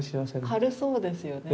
軽そうですよね。